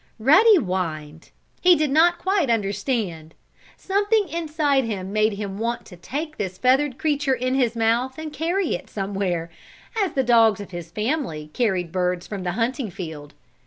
Ruddy whined. He did not quite understand. Something inside him made him want to take this feathered creature in his mouth and carry it somewhere, as the dogs of his family carried birds from the hunting field.